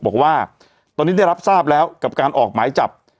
บอกว่าตอนนี้ได้รับทราบแล้วกับการออกหมายจับ